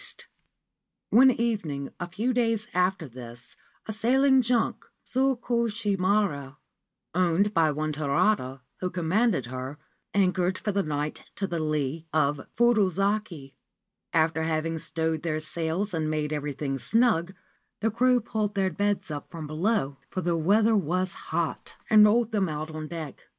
in Ancient Tales and Folklore of Japan One evening a few days after this a sailing junk, the Tsukushi maru, owned by one Tarada, who commanded her, anchored for the night to the lee of Fudozaki. After having stowed their sails and made everything snug, the crew pulled their beds up from below (for the weather was hot) and rolled them out on deck.